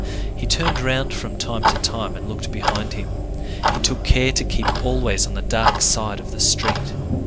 He turned round from time to time and looked behind him. He took care to keep always on the dark side of the street.